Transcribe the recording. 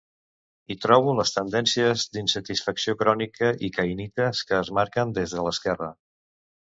Hi trobo les tendències d'insatisfacció crònica i caïnites que es marquen des de l'esquerra.